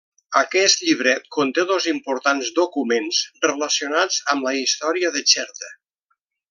Aquest llibret conté dos importants documents relacionats amb la història de Xerta.